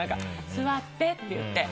座って！って言って。